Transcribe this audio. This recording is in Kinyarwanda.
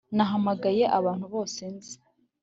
Nahamagaye abantu bose nzi